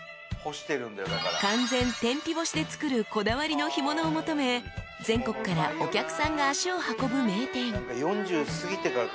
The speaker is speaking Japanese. ［で作るこだわりの干物を求め全国からお客さんが足を運ぶ名店］